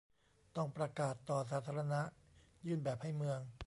ต้องประกาศต่อสาธารณะ ยื่นแบบให้เมือง